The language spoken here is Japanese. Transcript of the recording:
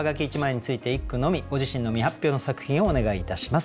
ご自身の未発表の作品をお願いいたします。